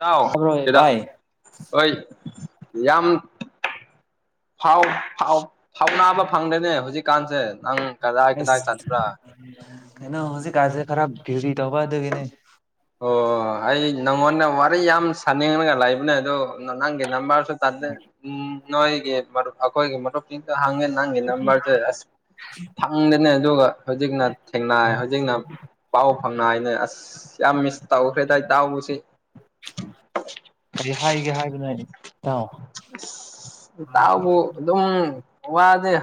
ꯇꯥꯎ ꯇꯥꯕ꯭ꯔꯣ ꯚꯥꯏ ꯀꯩꯗ‌ꯣ ꯌꯥꯝ ꯐꯥꯎ ꯐꯥꯎ ꯐꯥꯎꯅꯥꯕ ꯐꯪꯗ‌ꯦꯅꯦ ꯍꯧꯖꯤꯛꯀꯥꯟꯁꯦ ꯅꯪ ꯀꯗꯥꯏ ꯀꯗꯥꯏ ꯑꯁ ꯆꯠꯄ꯭ꯔ‌ꯥ ꯀꯩꯅꯣ ꯍꯧꯖꯤꯛ ꯀꯗꯦ ꯈꯔ ꯇꯧꯕ [unintelligible] ꯑꯗꯨꯒꯤꯅꯦ ꯑꯣ ꯑꯩ ꯅꯪꯉꯣꯟꯗ ꯋꯥꯔꯤ ꯌꯥꯝ ꯁꯥꯅꯤꯡꯉꯒ ꯂꯩꯕꯅꯦ ꯑꯗꯣ ꯅꯪꯒꯤ ꯅꯝꯕ꯭ꯔꯁꯨ ꯇꯜꯂ‌ꯦ ꯎꯝ ꯅꯣꯏꯒꯤ ꯃꯔꯨꯞ ꯑꯩꯈꯣꯏꯒꯤ ꯃꯔꯨꯞꯁꯤꯡꯗꯣ ꯍꯪꯒꯤ ꯅꯪꯒꯤ ꯅꯝꯕ꯭ꯔꯁ‌ꯦ ꯑꯁ ꯐꯪꯗ‌ꯦꯅꯦ ꯑꯗꯨꯒ ꯍꯧꯖꯤꯛꯅ ꯊꯦꯡꯅ ꯍꯧꯖꯤꯛꯅ ꯄꯥꯎ ꯐꯪ ꯅꯨꯡꯉꯥꯏꯅꯦ ꯑꯁ ꯌꯥꯝ ꯃꯤꯁ ꯇꯧꯈ꯭ꯔꯦꯗꯏ ꯏꯗꯥꯎꯁꯦ꯫ ꯀꯔꯤ ꯍꯥꯏꯒꯦ ꯍꯥꯏꯕꯅꯣ ꯏꯗꯥꯎ꯫ ꯇꯥꯎꯕꯨ ꯑꯗꯨꯝ ꯋꯥꯗꯤ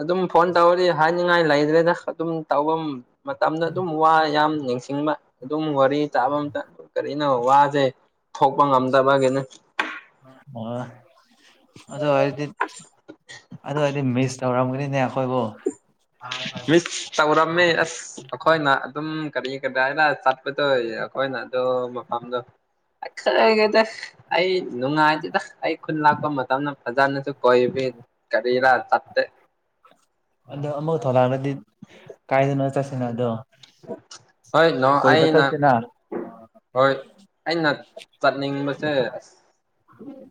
ꯑꯗꯨꯝ ꯐꯣꯟ ꯇꯧꯔꯤ ꯍꯥꯏꯅꯤꯡꯉꯥꯏ ꯂꯩꯗ꯭ꯔꯦꯗ ꯑꯗꯨꯝ ꯇꯧꯐꯝ ꯃꯇꯝꯗ ꯑꯗꯨꯝ ꯋꯥ ꯌꯥꯝ ꯅꯤꯡꯁꯤꯡꯕ꯫ ꯑꯗꯨꯝ ꯋꯥꯔꯤ ꯇꯥꯕ ꯑꯇ ꯀꯔꯤꯅꯣ ꯋꯥꯁꯦ ꯊꯣꯛꯄ ꯉꯝꯗꯕꯒꯤꯅ꯫ ꯑ ꯑꯗꯣ ꯑꯣꯏꯗꯤ꯫ ꯑꯗꯨ ꯑꯣꯏꯗꯤ ꯃꯤꯁ ꯇꯧꯔꯝꯒꯅꯤꯅꯦ ꯑꯩꯈꯣꯏꯕꯨ ꯃꯤꯁ ꯇꯧꯔꯝꯃꯦ ꯑꯁ ꯑꯩꯈꯣꯏꯅ ꯑꯗꯨꯝ ꯀꯔꯤ ꯀꯔꯤ ꯍꯥꯏꯅ ꯇꯧꯔꯤ ꯑꯩꯈꯣꯏꯅ ꯑꯗꯨꯣ ꯃꯐꯝꯗꯣ ꯅꯨꯡꯉꯥꯏꯇꯦꯗ ꯑꯩ ꯈꯨꯟ ꯂꯥꯛꯄ ꯃꯇꯝꯗ ꯐꯖꯅꯁꯨ ꯀꯣꯏ ꯀꯔꯤꯔꯥ ꯆꯠꯇꯦ꯫ ꯑꯗꯣ ꯑꯃꯨꯧ ꯊꯂꯥꯡꯅꯗꯤ ꯀꯥꯏꯗꯅꯣ ꯆꯠꯁꯤꯅ ꯑꯗꯣ ꯍꯣꯏ ꯂ ꯀꯣꯏꯕ ꯑꯩꯅꯥ ꯆꯠꯁꯤꯅ ꯍꯣꯏ ꯑꯩꯅ ꯆꯠꯅꯤꯡꯕꯁꯦ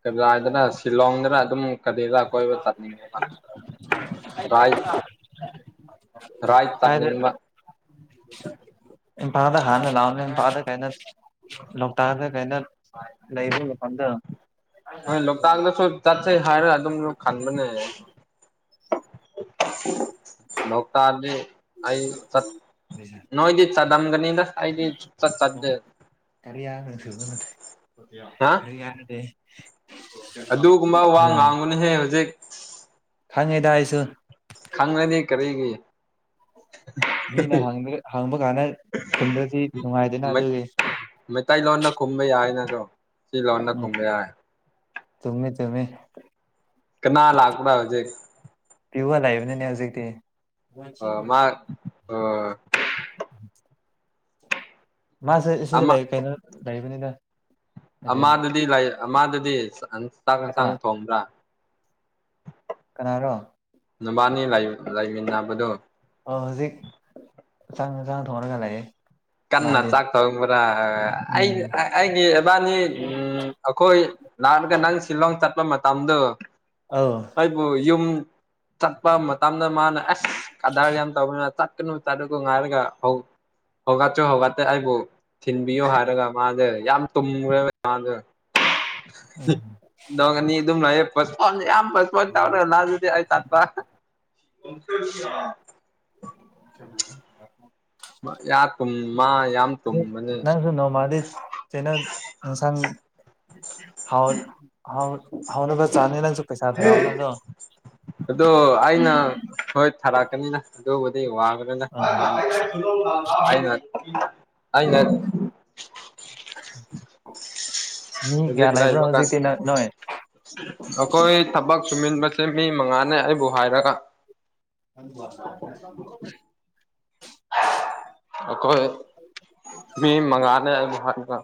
ꯀꯖ ꯍꯥꯏꯗꯅ ꯁꯤꯂꯣꯡꯗꯅ ꯑꯗꯨꯝ ꯀꯔꯤꯔꯥ ꯀꯣꯏꯕ ꯆꯠꯅꯤꯡꯉꯦꯕ [unintelligible] ꯔꯥꯏꯠ ꯔꯥꯏꯠ ꯀꯥꯏꯗ ꯆꯠꯅꯤꯡꯕ ꯏꯝꯐꯂꯗ ꯈꯅ ꯂꯥꯎꯝ ꯄꯥꯗ ꯀꯩꯅꯅ ꯂꯥꯑꯣꯇꯛꯇꯥ ꯀꯩꯅꯣ ꯂꯩꯕ ꯐꯗ ꯍꯣꯏ ꯂꯣꯛꯇꯥꯛ ꯑꯗꯁꯨ ꯆꯠꯁ ꯍꯥꯏꯔ ꯑꯗꯨꯝ ꯂ ꯈꯥꯟꯕꯕꯅꯦ꯫ ꯂꯣꯛꯇꯛ ꯑꯅꯤ ꯑꯩ ꯆꯠ ꯅꯣꯏꯣꯏꯗꯤ ꯆꯗꯝꯒꯅꯤꯗꯗꯤ ꯆꯠ ꯁꯨꯡꯆꯇ ꯆꯠꯇꯦ꯫ ꯀꯂꯤꯌꯥꯌꯥ ꯍꯥ ꯀꯌꯥꯅꯗꯦ ꯑꯗꯨꯒꯨꯝꯕ ꯋꯥ ꯉꯥꯡꯕꯨꯅꯍꯦ ꯍꯧꯖꯤꯛ ꯈꯪꯉꯦꯗ ꯍꯥꯏꯁꯨ ꯈꯪꯉꯅꯤ ꯀꯔꯤꯒꯤ ꯃꯤꯅ ꯍꯥꯡꯕ ꯀꯥꯟꯗ ꯈꯨꯝꯗ꯭ꯔꯗꯤ ꯅꯨꯡꯉꯥꯏꯗꯅ ꯑꯗꯨꯒꯤ꯫ ꯃꯩꯇꯩꯂꯣꯟꯅ ꯈꯨꯝꯕ ꯌꯥꯏꯅꯁꯨ ꯁꯤ ꯂꯣꯟꯅ ꯈꯨꯝꯕ ꯌꯥꯏ꯫ ꯆꯃꯤꯃꯦ ꯆꯃꯤꯃꯦ꯫ ꯀꯅꯥ ꯂꯥꯛꯄꯔꯥ ꯍꯧꯖꯛ ꯄꯤꯌꯨꯕ ꯂꯩꯕꯅꯤꯅꯦ ꯍꯧꯖꯤꯛꯇꯤ꯫ ꯑꯣ ꯃꯥ ꯑꯣ ꯃꯥꯁꯦ ꯁꯤꯁꯦ ꯑꯃ ꯀꯩꯅꯣ ꯂꯩꯔꯤꯕꯅꯤꯗ ꯑꯃꯗꯗꯤ ꯂꯥꯏ ꯑꯃꯗꯗꯤ ꯆꯥꯛ ꯀꯅꯥ ꯌꯦꯟꯁꯥꯡ ꯊꯣꯡꯕ꯭ꯔꯥ ꯀꯅꯥꯔꯣ ꯅꯕꯥꯅꯤ ꯂꯩꯃꯤꯟꯅꯕꯗꯨ ꯑꯣ ꯍꯧꯖꯤꯛ ꯆꯥꯛ ꯍꯦꯅꯖꯡ ꯊꯣꯡꯔꯒ ꯂꯩꯌꯦ꯫ ꯀꯟꯅ ꯃꯥꯗꯤ ꯆꯥꯛ ꯊꯧꯕ꯭ꯔꯥ ꯑꯩ ꯎꯝ ꯑꯩꯒꯤ ꯏꯕꯥꯅꯤ ꯑꯩꯈꯣꯏ ꯂꯥꯛꯥꯛꯂꯒ ꯅꯪ ꯁꯤꯂꯣꯡ ꯆꯠꯄ ꯃꯇꯝꯗꯣ ꯑꯥꯎ ꯑꯩꯕꯨ ꯌꯨꯝ ꯆꯠꯄ ꯃꯇꯝꯗ ꯃꯥꯅ ꯑꯦꯁ ꯀꯗꯥꯔ ꯌꯥꯝ ꯇꯧꯕꯅꯤꯅ ꯇꯥꯨꯒ ꯉꯔꯒ ꯍ ꯍꯧꯎꯒꯇꯁꯨ ꯍꯧꯎꯒꯑꯇꯦ ꯑꯕꯣ ꯊꯤꯟꯕꯤꯌꯣ ꯍꯥꯏꯔꯒ ꯃꯥꯁꯦ ꯌꯥꯝ ꯇꯨꯝꯈ꯭ꯔꯦꯕ ꯃꯥꯗꯨ [inaudible] ꯅꯣꯡꯅꯤ ꯑꯗꯨꯝ ꯂꯑ ꯐ ꯌꯥꯝ ꯐꯁꯄꯣꯟ ꯇ ꯆꯥꯎꯔꯒ ꯂ ꯑꯗꯨꯗꯤ ꯑꯩ ꯆꯠꯄ [unintelligible] [inaudible] ꯌꯥ ꯀꯨꯝ ꯃꯥ ꯌꯥꯝ ꯇꯨꯝꯕꯅꯦ ꯅꯪꯁꯨ ꯅꯣꯃꯥꯗꯤ꯫ ꯅ ꯁꯥꯡ ꯍꯥꯎ ꯍꯥꯎꯅꯕ ꯆꯥꯅꯦꯅꯁꯨ ꯑꯗꯣ ꯑꯩꯅ ꯊꯥꯔꯛꯀꯅꯤꯅ ꯑꯗꯨꯕꯨꯗꯤ ꯋꯥꯒꯅꯤꯅ ꯑꯥ ꯑꯩꯅ ꯑꯩꯅ ꯃꯤ ꯀ꯭ꯌꯥ ꯍꯧꯖꯤꯛ ꯂꯩꯕ꯭ꯔꯣ ꯂꯩꯕ ꯀꯥꯟ ꯍꯧꯖꯤꯇꯤ ꯅꯣꯏ ꯑꯩꯈꯣꯏ ꯊꯕꯛ ꯁꯨꯃꯤꯟꯕꯁꯦ ꯃꯤ ꯃꯉꯥꯅꯦ ꯑꯩꯕꯨ ꯍꯥꯏꯔꯒ [unintelligible] ꯑꯣꯈꯣꯏ ꯃꯤ ꯃꯉꯥꯅꯦ ꯍꯥꯏꯕ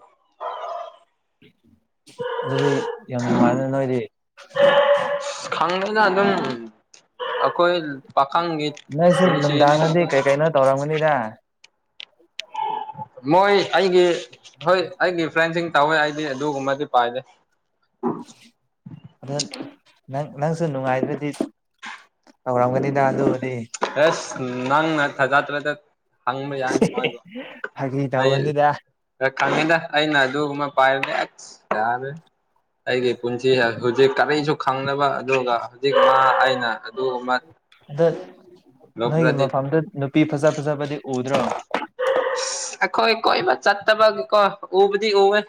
ꯑꯗꯨꯗꯤ ꯌꯥꯝ ꯅꯨꯡꯉꯥꯏꯗ ꯅꯣꯏꯗꯤ ꯈꯪꯅꯦꯅ ꯑꯗꯨꯝ ꯑꯩꯈꯣꯏ ꯄꯥꯈꯪꯒꯤ ꯄꯨꯁꯤ ꯇꯧꯔꯥꯡꯃꯅꯤꯗ ꯃꯣꯏ ꯑꯩꯒꯤ ꯍꯣꯏ ꯑꯩꯒꯤ ꯐ꯭ꯔꯦꯟꯁꯤꯡ ꯇꯧꯋꯦ ꯑꯩꯗꯤ ꯑꯗꯨꯒꯨꯝꯕꯗꯤ ꯄꯥꯏꯗꯦ ꯑꯗꯣ ꯅꯪ ꯅꯪꯁꯨ ꯅꯨꯡꯉꯥꯏꯗ꯭ꯔꯗꯤ ꯇꯧꯔꯝꯒꯅꯤꯗ ꯑꯗꯨꯕꯨꯗꯤ ꯑꯁ ꯅꯪꯅ ꯊꯥꯖ ꯇ꯭ꯔꯗ ꯍꯪꯕ ꯌꯥꯏ ꯃꯣꯏꯗꯣ ꯐꯥꯒꯤ ꯇꯧꯕꯅꯤꯗ ꯑꯩ ꯈꯪꯉꯦꯗ ꯑꯩꯅ ꯑꯗꯨꯒꯨꯝꯕ ꯄꯥꯏꯕꯅꯦ ꯑꯁ ꯌꯥꯔ ꯑꯩꯒꯤ ꯄꯨꯟꯁꯤ ꯍꯧꯖꯤꯛ ꯀꯔꯤꯁꯨ ꯈꯪꯅꯕ ꯑꯗꯨꯒ ꯍꯧꯖꯤꯛ ꯃꯥ ꯑꯩꯅ ꯑꯗ ꯅꯣꯏꯒꯤ ꯂꯣꯞꯂꯗꯤ ꯃꯐꯝꯗꯨ ꯅꯨꯄꯤ ꯐꯖ ꯐꯖꯕꯗꯤ ꯎꯗ꯭ꯔꯣ ꯑꯩꯈꯣꯏ ꯀꯣꯏꯕ ꯆꯠꯇꯕꯒꯤꯀꯣ ꯎꯕꯨꯗꯤ ꯎꯋꯦ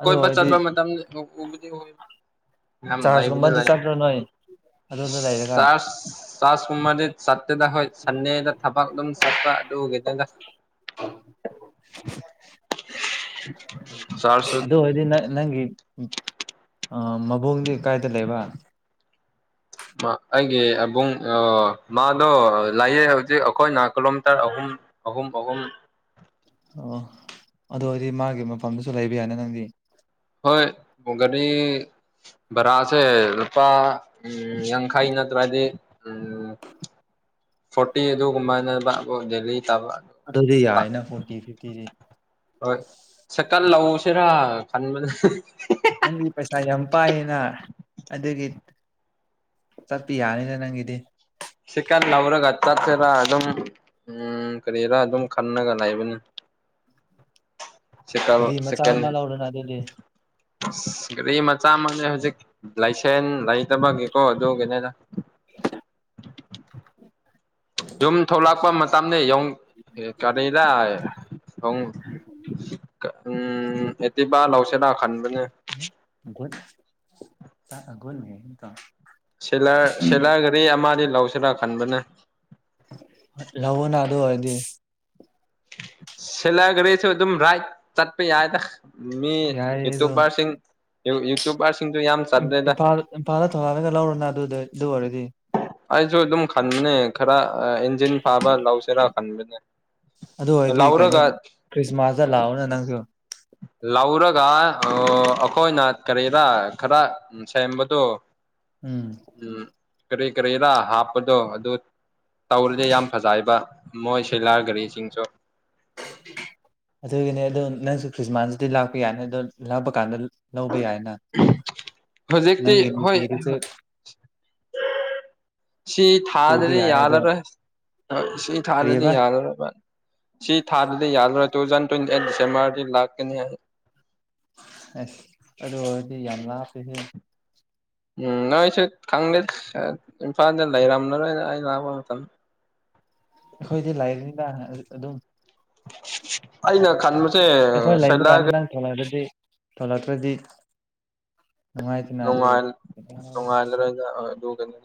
ꯑꯗꯨ ꯀꯣꯏꯄ ꯑꯣꯏꯔꯗꯤ ꯆꯠꯄ ꯃꯇꯝ ꯎꯕ ꯆꯥꯔꯖꯀꯨꯝꯕꯗꯤ ꯆꯠꯇ꯭ꯔꯣ ꯅꯣꯏ ꯑꯗꯨꯗ ꯂꯩꯔꯒ ꯆꯥꯛ ꯀꯃꯥꯗꯤ ꯆꯠꯇꯦꯗ ꯍꯣꯏ ꯁꯟꯗꯦꯗ ꯊꯕꯛ ꯑꯗꯨꯝ ꯆꯠꯄ [unintelligible] ꯆꯔꯁꯨ ꯑꯗꯨ ꯑꯣꯏꯔꯗꯤ ꯅꯪ ꯅꯪꯒꯤ ꯃꯕꯨꯡꯗꯤ ꯀꯥꯏꯗ ꯂꯩꯕ ꯑꯩꯒꯤ ꯏꯕꯨꯡ ꯃꯥꯗꯣ ꯂꯥꯏꯌꯦ ꯍꯧꯖꯤꯛ ꯑꯩꯈꯣꯏꯅ ꯀꯤꯂꯣꯃꯤꯇꯔ ꯑꯍꯨꯝ ꯑꯍꯨꯝ ꯑꯍꯨꯝ ꯑꯣ ꯑꯗꯨ ꯑꯣꯏꯗꯤ ꯃꯥꯒꯤ ꯃꯐꯝꯗꯨꯁꯨ ꯂꯩꯕ ꯌꯥꯅꯤ ꯅꯪꯗꯤ ꯍꯣꯏ ꯃꯒꯅꯤ ꯕꯔꯥꯁꯦ ꯂꯨꯄꯥ ꯎꯝ ꯌꯥꯡꯈꯩ ꯅꯠꯇ꯭ꯔꯗꯤ ꯎꯝ ꯐꯣꯔꯇꯤ ꯑꯗꯨꯒꯨꯝꯕꯅ ꯗꯦꯂꯤ ꯇꯥꯕ ꯑꯗꯨꯗꯤ ꯌꯥꯏꯅ ꯐꯣꯔꯇꯤ ꯐꯤꯐꯇꯤꯁꯤ ꯍꯣꯏ ꯁꯦꯀꯟ ꯂꯧꯁꯤꯔꯥ ꯈꯟꯕꯗ ꯅꯪꯒꯤ ꯄꯩꯁꯥ ꯌꯥꯝ ꯄꯥꯏꯌꯦꯅ ꯑꯗꯨꯒꯤ ꯆꯠꯄꯤ ꯌꯥꯅꯤꯅ ꯅꯪꯒꯤꯗꯤ ꯁꯤꯀꯠ ꯂꯧꯔꯒ ꯆꯠꯁꯤꯔꯥ ꯑꯗꯨꯝ ꯎꯝ ꯀꯔꯤꯔꯥ ꯑꯗꯨꯝ ꯈꯟꯅꯂꯒ ꯂꯩꯕꯅꯤ ꯑꯔꯤ ꯁꯥꯏꯀꯜ ꯃꯆꯥ ꯑ ꯑꯃ ꯂꯧ ꯑꯣꯔꯅ ꯂꯩ ꯒꯔꯤ ꯃꯆꯥ ꯃꯛꯅꯦ ꯍꯧꯖꯤꯛ ꯂꯥꯏꯁꯦꯟ ꯂꯩꯇꯕꯒꯤꯀꯣ ꯑꯗꯨꯒꯤꯅꯦꯅ [unintelligible] [unintelligible] ꯌꯨꯝ ꯊꯣꯛꯂꯛꯄ ꯃꯇꯝꯅꯦ ꯌꯣꯡ ꯀꯔꯤꯗ ꯑꯪ ꯎꯝ ꯑꯦꯇꯤꯕ ꯂꯥꯎꯁꯤꯔꯥ ꯈꯟꯕꯅꯦ [unintelligible] ꯁꯂꯔ ꯁꯦꯂꯔꯒꯔꯤ ꯑꯃꯗꯤ ꯂꯧꯁꯤꯔꯥ ꯈꯟꯕꯅꯦ ꯂꯧꯑꯣꯅꯥ ꯑꯗꯨ ꯑꯣꯏꯔꯗꯤ ꯁꯦꯂꯔ ꯒꯔꯤꯁꯨ ꯑꯗꯨꯝ ꯔꯥꯏꯗ ꯇꯠꯄꯥ ꯌꯥꯏꯗ ꯃꯤ ꯌꯥꯏꯌꯦ ꯑꯗꯣ ꯌꯨꯇꯨꯕꯔꯁꯤꯡ ꯌꯨꯇꯨꯕꯔꯁꯤꯡꯗꯨ ꯌꯥꯝ ꯆꯠꯂꯦꯗ ꯏꯝꯐꯥꯜ ꯏꯝꯐꯥꯜꯗ ꯊꯣꯒꯜꯂꯒ ꯂꯧꯔꯣꯅ ꯑꯗꯨꯗ ꯑꯗꯨ ꯑꯣꯏꯔꯗꯤ ꯑꯩꯁꯨ ꯑꯗꯨꯝ ꯈꯟꯕꯅꯦ ꯈꯔ ꯑꯥ ꯏꯟꯖꯤꯟ ꯐꯥꯕ ꯂꯧꯁꯤꯔꯥ ꯈꯟꯕꯅꯦ ꯑꯗꯨ ꯑꯣꯏꯗꯤ ꯀꯩꯅꯣ ꯂꯧꯔꯒ ꯈ꯭ꯔꯤꯁꯃꯥꯁꯇ ꯂꯥꯛꯑꯣꯅ ꯅꯪꯁꯨ ꯂꯧꯔꯒ ꯑꯣ ꯑꯩꯈꯣꯏꯅ ꯀꯔꯤꯗ ꯈꯔ ꯎꯝ ꯁꯦꯝꯕꯗꯣ ꯎꯝ ꯎꯝ ꯀꯔꯤ ꯀꯔꯤꯔꯥ ꯍꯥꯞꯄꯗꯣ ꯑꯗꯨ ꯇꯧꯔꯗꯤ ꯌꯥꯝ ꯐꯖꯩꯕ ꯃꯣꯏ ꯁꯤꯂꯥꯔ ꯒꯥꯔꯤꯁꯤꯡꯁꯨ [unintelligible] ꯑꯗꯨꯒꯤꯅꯦ ꯑꯗꯣ ꯅꯪꯁꯨ ꯈ꯭ꯔꯤꯁꯃꯥꯁꯇꯗꯤ ꯂꯥꯛꯄ ꯌꯥꯏꯅꯤ ꯑꯗꯣ ꯂꯥꯛꯄ ꯀꯥꯟꯗ ꯂꯧꯕ ꯌꯥꯏꯅ [unintelligible] ꯍꯧꯖꯤꯛꯇꯤ ꯅꯪꯒꯤ ꯍꯣꯏ ꯑꯍ ꯅꯨꯄꯤꯗꯨꯁꯨ [unintelligible] ꯁꯤ ꯄꯨꯕ ꯊꯥꯗ꯭ꯔꯗꯤ ꯌꯥꯏ ꯑꯗꯣ ꯌꯥꯔꯥꯔꯣꯏ ꯍꯣꯏ ꯁꯤ ꯊꯥꯗꯗꯤ ꯀꯔꯤꯕ ꯌꯥꯔꯔꯣꯏꯕ ꯁꯤ ꯊꯥꯗꯗꯤ ꯌꯥꯔꯔꯣꯏ ꯇꯨꯖꯟ ꯊ꯭ꯋꯦꯟꯇꯤ ꯑꯩꯠ ꯗꯤꯁꯦꯝꯕꯔ ꯗꯤ ꯂꯥꯛꯀꯅꯤ ꯑꯩ ꯑꯁ ꯑꯗꯨ ꯑꯣꯏꯔꯗꯤ ꯌꯥꯝ ꯂꯥꯞꯄꯦ ꯍꯦ ꯎꯝ ꯅꯣꯏꯁꯨ ꯈꯪꯗꯦ ꯏꯝꯐꯥꯜꯗ ꯂꯩꯔꯝꯂꯔꯣꯏꯗ ꯑꯩ ꯂꯥꯛꯄ ꯃꯇꯝꯗ ꯑꯈꯣꯏꯗꯤ ꯂꯥꯏꯔꯤꯅꯤꯅ ꯑ -ꯑꯗꯨꯝ [unintelligible] ꯑꯩꯅ ꯈꯟꯕ ꯑꯩꯈꯣꯏ ꯂꯩꯕ ꯀꯥꯟꯗ ꯅꯪ ꯊꯣꯂꯛꯑ꯭ꯔꯗꯤ ꯊꯣꯂꯛꯇ꯭ꯔꯗꯤ ꯅꯣꯡꯉꯥꯜ ꯅꯣꯡꯉꯥꯜꯂꯔꯣꯏꯗ ꯑ -ꯑꯗꯨꯒꯅꯦ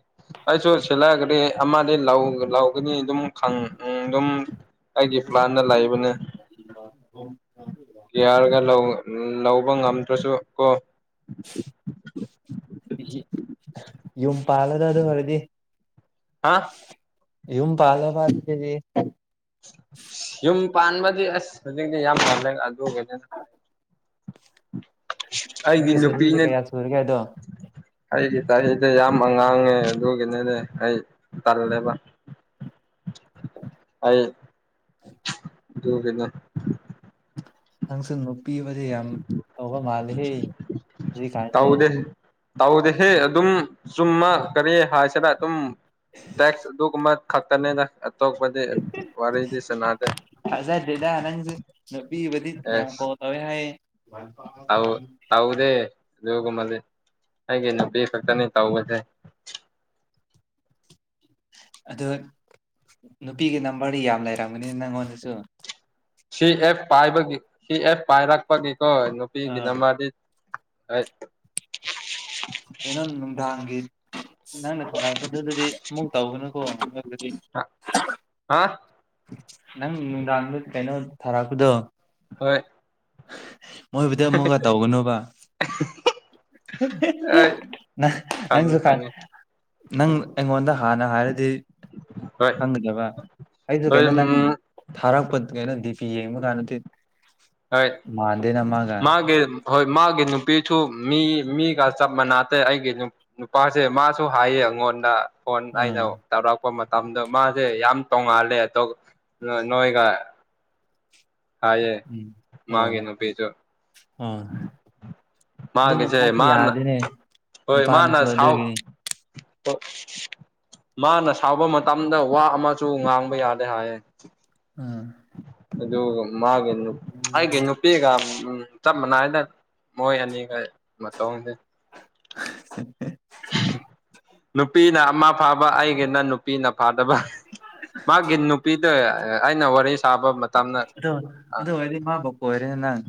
ꯑꯩꯁꯨ ꯁꯤꯂꯥ ꯒꯥꯔꯤ ꯑꯃꯗꯤ ꯂꯧ ꯂꯧꯒꯅꯤ ꯑꯗꯨꯝ ꯈꯟ ꯎꯝ ꯑꯗꯨꯝ ꯑꯩꯒꯤ ꯄ꯭ꯂꯥꯟꯗ ꯂꯩꯕꯅꯦ [unintelligible] ꯌꯥꯔꯒ ꯂꯧ ꯂꯧꯕ ꯉꯝꯗ꯭ꯔꯁꯨ ꯀꯣ [inaudible] ꯌꯨꯝ ꯄꯥꯂꯣꯗ ꯑꯗꯨ ꯑꯣꯏꯔꯗꯤ ꯍꯥ ꯎꯨꯝ ꯄꯥꯜꯂꯣꯕ ꯑꯗꯨꯒꯤꯗꯤ ꯌꯨꯝ ꯄꯥꯟꯕꯗꯤ ꯑꯁ ꯍꯧꯖꯤꯛꯇꯤ ꯌꯥꯝ ꯇꯜꯂꯦ ꯑꯗꯨ ꯑꯣꯏꯗꯅ ꯑꯩꯒꯤ ꯅꯪꯒꯤ ꯅꯨꯄꯤ ꯆꯍꯤꯁꯦ ꯅꯠ ꯀꯌꯥ ꯁꯨꯔꯒꯦ ꯑꯗꯣ ꯑꯩꯒꯤ ꯆꯍꯤꯗꯤ ꯌꯥꯝ ꯑꯉꯥꯡꯅꯦ ꯑꯗꯨꯒꯤꯅꯦꯗ ꯑꯩ ꯇꯜꯂꯦꯕ [inaudible] ꯑꯩ [inaudible] ꯑꯗꯨꯒꯤꯅꯦ ꯅꯪꯁꯨ ꯅꯨꯄꯤꯕꯨꯗꯤ ꯌꯥꯝ ꯇꯧꯕ ꯃꯥꯜ ꯇꯧꯗꯦ ꯇꯧꯗꯤꯍꯦ ꯑꯗꯨꯝ ꯆꯨꯝꯃ ꯀꯔꯤ ꯍꯥꯏꯁꯤꯔꯥ ꯑꯗꯨꯝ ꯇꯦꯛꯁ ꯑꯗꯨꯒꯨꯝꯕ ꯈꯛꯇꯅꯦꯅ ꯑꯇꯣꯄꯗꯤ ꯊꯥꯖꯗꯦꯗꯥ ꯅꯪꯁꯦ ꯅꯨꯄꯤꯕꯨꯗꯤ ꯌꯥꯝ ꯑꯦꯁ ꯀꯣꯜ ꯇꯧꯋꯦ ꯍꯥꯏꯌꯦ ꯃꯥꯏꯄꯥ ꯇꯧ ꯇꯧꯗꯦ ꯑꯗꯨꯒꯨꯝꯕꯗꯤ ꯑꯩꯒꯤ ꯅꯨꯄꯤ ꯈꯛꯇꯅꯤ ꯇꯧꯕꯗꯤ ꯑꯗꯨ ꯅꯨꯄꯤꯒꯤ ꯅꯝꯕꯔꯗꯤ ꯌꯥꯝ ꯂꯩꯔꯝꯒꯅꯤꯅ ꯅꯪꯉꯣꯟꯗꯁꯨ ꯁꯤ ꯑꯦꯞ ꯄꯥꯏꯕꯒꯤ ꯁꯤ ꯑꯦꯞ ꯄꯥꯏꯔꯛꯄꯒꯤꯀꯣ ꯅꯨꯄꯤꯒꯤ ꯑꯥ ꯅꯨꯝꯕꯔ ꯗꯤ ꯑꯩꯠ [unintelligible] ꯀꯩꯅꯣ ꯅꯨꯡꯗꯥꯡꯒꯤ ꯅꯪꯅ ꯊꯔꯛꯄꯗꯨꯗꯗꯤ ꯑꯃꯨꯛ ꯇꯧꯒꯅꯨꯀꯣ [unintelligible] ꯍꯥꯥ ꯅꯪ ꯅꯨꯡꯗꯥꯡꯗ ꯀꯩꯅꯣ ꯊꯥꯔꯛꯄꯗꯣ ꯍꯣꯏ ꯃꯣꯏꯕꯨꯗꯤ ꯑꯃꯨꯛꯀ ꯇꯧꯒꯅꯣꯕ ꯑꯩ [unintelligible] ꯅꯪ ꯈꯪꯉꯤ ꯅꯪꯖꯨ ꯈꯪ ꯈꯪꯉꯤ ꯅꯪ ꯑꯩꯉꯣꯟꯗ ꯍꯥꯟꯅ ꯍꯥꯏꯔꯗꯤ ꯍꯣꯏ ꯈꯪꯒꯗꯕ ꯑꯩꯗꯨ ꯍꯣꯏ ꯀꯩꯅꯣ ꯅꯪ ꯎꯝ ꯊꯥꯔꯛꯄ ꯀꯩꯅꯣ ꯗꯤ ꯄꯤ ꯌꯦꯡꯕ ꯀꯥꯟꯗꯗꯤ ꯍꯣꯏ ꯃꯥꯟꯗꯦꯅ ꯃꯥꯒ ꯃꯥꯒꯦ ꯍꯣꯏ ꯃꯥꯒꯤ ꯅꯨꯄꯤꯁꯨ ꯃꯤ ꯃꯤꯒ ꯆꯞ ꯃꯅꯇꯩꯦ ꯑꯩꯒꯤ ꯅꯨꯄꯥꯁꯦ ꯃꯥꯁꯨ ꯍꯥꯏꯌꯦ ꯑꯩꯉꯣꯟꯗ ꯐꯣꯟ ꯑꯩꯅ ꯑꯥ ꯇꯧꯔꯛꯄ ꯃꯇꯝꯗ ꯃꯥꯁꯦ ꯌꯥꯝ ꯇꯣꯡꯉꯥꯜꯂꯦ ꯑꯗꯨꯒ ꯅꯣꯏꯒ ꯍꯥꯏꯌꯦ ꯎꯝ ꯃꯥꯒꯦꯅꯣ ꯄꯤꯖꯣ ꯑ ꯑꯗꯨ ꯃꯥꯒꯤꯁꯦ ꯅꯨꯄꯥꯁꯨ ꯃꯥꯅ ꯌꯥꯗꯦꯅꯦ ꯍꯣꯏ ꯅꯨꯄꯥꯗꯨꯁꯨ ꯃꯥꯅ ꯁꯥꯎ ꯑꯗꯨꯒꯤꯅꯤ ꯃꯥꯅ ꯁꯥꯎꯕ ꯃꯇꯝꯗ ꯋꯥ ꯑꯃꯁꯨ ꯉꯥꯡꯕ ꯌꯥꯗꯦ ꯍꯥꯏꯌꯦ ꯎꯝ ꯑꯗꯨ ꯃꯥꯒꯦ ꯅꯨ ꯍꯥꯏꯦ ꯅꯨꯄꯤꯤꯒ ꯎ ꯆꯞ ꯃꯥꯟꯅꯏꯅ ꯃꯣꯏ ꯑꯅꯤꯒ ꯃꯇꯁꯦ ꯑꯣꯦ ꯅꯨꯄꯤꯅ ꯑꯃ ꯐꯥꯕ ꯑꯩꯒꯤꯅ ꯅꯨꯄꯤꯅ ꯐꯥꯗꯕ ꯃꯥꯒꯤ ꯅꯨꯄꯤꯗ ꯑꯩꯅ ꯋꯥꯔꯤ ꯁꯥꯕ ꯃꯇꯝ ꯑꯗꯣ ꯑꯗꯨ ꯑꯣꯏꯔꯗꯤ ꯃꯥꯕꯣꯛꯀ ꯑꯣꯏꯔꯦꯅꯦ ꯅꯪ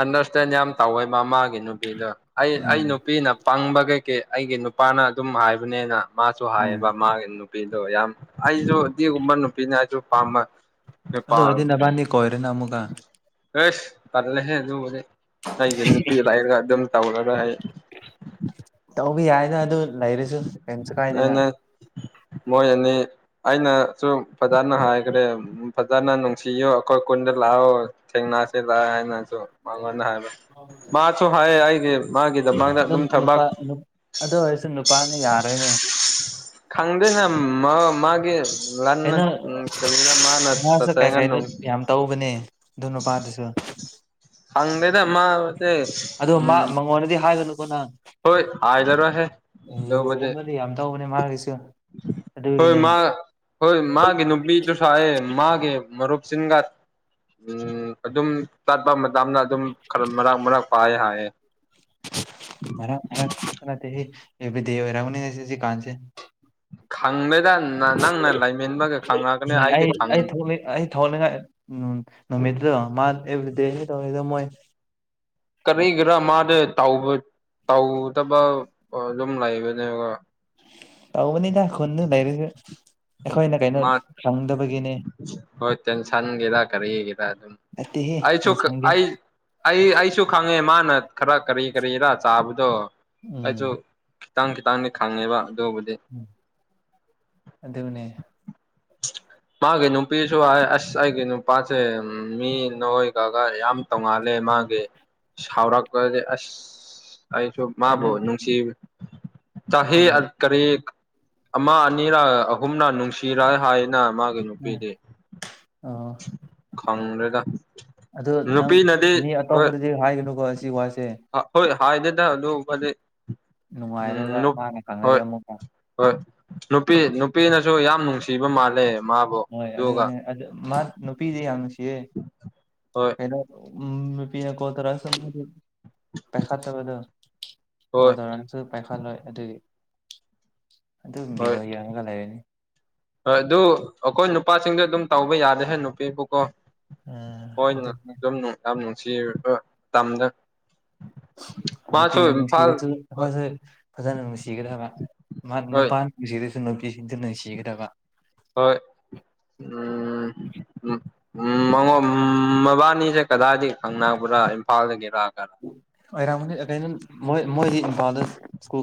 ꯑꯟꯗꯔꯁꯇꯦꯟ ꯌꯥꯝ ꯇꯧꯋꯦ ꯃꯃꯥꯒꯤ ꯅꯨꯄꯤꯗꯣ ꯑꯩ ꯎꯝ ꯑꯩ ꯅꯨꯄꯤꯅ ꯄꯪꯕ ꯀꯩꯀꯩ ꯑꯩꯒꯤ ꯅꯨ ꯅꯨꯄꯥꯅ ꯑꯗꯨꯝ ꯍꯥꯏꯕꯅꯦꯅ ꯃꯥꯁꯨ ꯎꯝ ꯍꯥꯏꯌꯦꯕ ꯃꯥꯒꯤ ꯅꯨꯄꯤꯗꯣ ꯌꯥꯝ ꯑꯩꯁꯨꯗꯤꯒꯨꯝꯕ ꯅꯨꯄꯤꯅ ꯑꯩꯁꯨ ꯄꯥꯝꯃ ꯑꯗꯨ ꯄ ꯑꯣꯏꯔꯗꯤ ꯅꯕꯥꯅꯤ ꯀꯣꯏꯔꯦꯅ ꯑꯃꯨꯛꯀ ꯑꯦꯁ ꯇꯗꯂꯦꯅꯦꯦ ꯑꯩꯁ ꯅꯨꯄꯤ ꯂꯔꯒ ꯑꯗꯨꯝ ꯇꯧꯔꯔ ꯑꯩ ꯇꯧꯕ ꯌꯥꯏꯅ ꯑꯗꯨ ꯂꯩꯔꯁꯨ ꯀꯩꯝꯁꯨ ꯀꯥꯏꯗꯦꯅ ꯑꯩꯅ ꯃꯣꯏ ꯑꯅꯤ ꯑꯩꯅ ꯁꯨꯝ ꯐꯖꯥꯅ ꯍꯥꯏꯈ꯭ꯔꯦ ꯎ ꯐꯖꯅ ꯅꯨꯡꯁꯤꯌꯨ ꯑꯩꯈꯣꯏ ꯀꯨꯟꯗ ꯂꯥꯛꯑꯣ ꯊꯦꯡꯅꯥꯁꯤꯦ ꯂꯥꯛꯑꯣ ꯍꯥꯏꯅ ꯃꯉꯣꯟꯗ ꯍꯥꯏꯕ ꯃꯥꯁꯨ ꯍꯥꯏꯌꯦ ꯑꯩꯒꯤ ꯃꯥꯒꯤꯗꯃꯥꯡꯗ ꯑꯗꯨꯝ ꯊꯕꯥꯛ ꯑꯗꯣ ꯑꯣꯏꯁ ꯅꯨꯄꯥꯅꯤ ꯌꯥꯔꯣꯏꯅꯦ ꯈꯪꯗꯅ ꯃ ꯃꯥꯒꯤꯦ ꯂꯍꯥꯟꯅ ꯀꯩꯅꯣ ꯎ ꯀꯅ ꯃꯥꯅ ꯃꯥꯁꯨ ꯇꯁꯥꯏ ꯀꯩ ꯉꯅ ꯀꯩꯅꯣ ꯌꯥꯝ ꯇꯧꯕꯅꯦ ꯑꯗꯨ ꯅꯨꯄꯥꯗꯨꯁꯨ ꯍꯪꯗꯦꯗꯃꯁꯦ ꯑꯗꯣ ꯃꯉꯣꯟꯗꯗꯤ ꯍꯥꯏꯒꯅꯨꯀꯣ ꯅꯪ ꯍꯣꯏ ꯍꯥꯏ ꯔꯁꯦ ꯑꯦ ꯌꯣꯒꯨꯝꯕꯗꯤ ꯌꯥꯝ ꯇꯧꯕꯅꯦ ꯃꯥꯒꯤꯁꯨ ꯍꯣꯏ ꯑꯗꯨꯒꯤꯅꯦ ꯃꯥ ꯍꯣꯏ ꯃꯥꯒꯦ ꯅꯨꯕꯤ ꯇꯁꯨꯑ ꯃꯥꯒꯦ ꯃꯔꯨꯕ ꯁꯤꯒꯥ ꯎꯝ ꯑꯗꯨꯝ ꯆꯠꯄ ꯃꯇꯝꯗ ꯑꯗꯨꯝ ꯈꯔ ꯃꯔꯛ ꯃꯔꯛ ꯄꯥꯏꯑꯦ ꯍꯥꯏꯌꯦꯦ ꯃ ꯗꯦ ꯑꯣꯏꯔꯃꯅꯤꯁꯤꯁꯤ ꯀꯥꯟꯁꯦ ꯈꯪꯕꯦꯗ ꯅꯪꯅ ꯂꯥꯏꯃꯦꯟꯕꯒ ꯈꯪꯅꯒꯅꯦ ꯑꯩꯗꯤ ꯈꯪ ꯊꯧꯒꯠꯅꯤꯡꯉꯥꯏ ꯅꯨꯃꯤꯠꯇꯨꯗ ꯃꯥ ꯑꯦꯕ꯭ꯔꯤꯗꯦ ꯇꯧꯔꯤꯗ ꯃꯣꯏ ꯀꯔꯤ ꯈꯔ ꯃꯥꯗ ꯇꯧꯗꯕ ꯑꯗꯨꯝ ꯂꯩꯕꯅꯦ ꯑꯧ ꯃ ꯅꯅꯦ ꯗꯥꯛꯈꯅ ꯂꯥꯏꯔꯁꯨ ꯑꯩꯈꯣꯏꯅ ꯀꯩꯅꯣ ꯃꯥ ꯈꯪꯗꯕꯒꯤꯅꯦ ꯍꯣꯏ ꯇꯦꯟꯁꯟꯒꯤꯔ ꯀꯔꯤꯒꯤꯔ ꯑꯗꯨꯝ ꯑꯇꯩ ꯑꯩꯁꯨ ꯍ ꯁꯒꯦ ꯑꯩ ꯑꯩ ꯑꯩꯁꯨ ꯈꯪꯉꯦ ꯃꯥꯅ ꯈꯔ ꯀꯔꯤ ꯀꯔꯤꯔ ꯆꯥꯕꯗꯣ ꯎꯝ ꯑꯩꯁꯨ ꯈꯤꯇꯪ ꯈꯤꯇꯪꯗꯤ ꯈꯪꯉꯦꯕ ꯑꯗꯨꯕꯨꯗꯤ ꯎꯝ ꯑꯗꯨꯅꯦ ꯃꯥꯒꯤ ꯅꯨꯄꯤꯁꯨ ꯍꯥꯏ ꯑꯁ ꯑꯩꯒꯤ ꯅꯨꯄꯥꯁꯦ ꯃꯤ ꯅꯣꯏꯒꯒ ꯌꯥꯝ ꯇꯣꯡꯉꯥꯜꯂꯦ ꯃꯥꯒꯤ ꯁꯥꯎꯔꯛꯄꯁꯦ ꯑꯁ ꯑꯩꯁꯨ ꯀꯩꯅꯣ ꯃꯥꯕꯨ ꯅꯨꯡꯁꯤ ꯆꯍꯤ ꯎꯝ ꯀꯔꯤ ꯑꯃ ꯑꯅꯤꯔ ꯑꯍꯨꯝꯔ ꯅꯨꯡꯁꯤꯔ ꯍꯥꯏꯅ ꯃꯥꯒ ꯅꯨꯄꯤꯗꯤ ꯑꫭ ꯈꯪꯗ꯭ꯔꯦꯗ ꯑꯗꯨ ꯅꯪ ꯅꯨꯄꯤꯅꯗꯤ ꯃꯤ ꯑꯇꯣꯞꯄꯗꯗꯤ ꯍꯥꯏꯒꯅꯨꯀꯣ ꯑꯁꯤ ꯋꯥꯁꯦ ꯑꯈꫭꯏ ꯍꯥꯏꯗꯦꯗ ꯑꯗꯨꯒꯨꯝꯕꯗꯤ ꯅꯨꯡꯉꯥꯏꯔꯣꯏꯕ ꯃꯥꯅ ꯈꯪꯉꯗꯤ ꯑꯃꯨꯛꯀꫭ ꯍꯣꯏ ꯅꯨꯄꯤ ꯅꯨꯄꯤꯅꯁꯨ ꯌꯥꯝ ꯅꯨꯡꯁꯤꯕ ꯃꯥꯜꯂꯦ ꯃꯥꯕꯨ ꯍꯣꯏ ꯑꯗꯨꯒ ꯑꯗꯨꯅꯦ ꯑꯗꯨ ꯃꯥ ꯅꯨꯄꯤꯗꯤ ꯌꯥꯝ ꯅꯨꯡꯁꯤꯌꯦ ꯍꯣꯏ ꯀꯩꯅꯣ ꯎꯝ ꯅꯨꯄꯤꯅ ꯀꯣꯜ ꯇꯧꯔꯁꯨ ꯃꯥꯗꯤ ꯄꯥꯏꯈꯠꯇꯕꯗꯣ ꯍꯣꯏ ꯀꯣꯜꯇꯧꯔꯁꯨ ꯄꯥꯏꯈꯠꯂꯣꯏ ꯑꯗꯨꯒꯤ ꯑꯗꯨꯝ ꯍꯣꯏ ꯚꯤꯗꯤꯑꯣ ꯌꯦꯡꯉꯒ ꯂꯩꯔꯅꯤ ꯍꯣꯏ ꯑꯗꯨ ꯑꯩꯈꯣꯏ ꯅꯨꯄꯥꯁꯤꯡꯗꯤ ꯑꯗꯨꯝ ꯇꯧꯕ ꯌꯥꯗꯦ ꯍꯦ ꯅꯨꯄꯤꯕꯨꯀꯣ ꯎꯝ ꯑꯈꫭꯏꯅ ꯑꯗꯨꯅꯦ ꯑꯗꯨꯝ ꯌꯥꯝ ꯅꯨꯡꯁꯤꯔꯕ ꯃꯇꯝꯗ ꯃꯥꯁꯨ ꯅꯨꯄꯤꯅ ꯏꯝꯐꯥꯜ ꯅꯨꯡꯁꯤꯔꯁꯨ ꯍꯣꯏ ꯑꯩꯈꯣꯏꯁ‌ꯦ ꯐꯖꯅ ꯅꯨꯡꯁꯤꯒꯗꯕ ꯃꯥ ꯍꯣꯏ ꯅꯨꯄꯥ ꯅꯨꯡꯁꯤꯔꯁꯨ ꯅꯨꯄꯤꯁꯤꯡꯁꯨ ꯅꯨꯡꯁꯤꯒꯗꯕ ꯍꯣꯏ ꯎꯝ ꯎꯝ ꯎꯝ ꯃꯉꯣ ꯃꯕꯥꯅꯤꯁꯦ ꯀꯗꯥꯏꯗꯒꯤ ꯈꯪꯅꯕ꯭ꯔꯥ ꯏꯝꯐꯥꯜꯗꯒꯤꯔ ꯑꯣꯏꯔꯝꯒ ꯀꯩꯅꯣ [unintelligible] ꯃꯣꯏꯗꯤ ꯏꯝꯐꯥꯜꯗ ꯏꯁꯀꯨꯜ